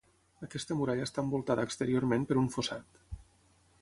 Aquesta muralla està envoltada exteriorment per un fossat.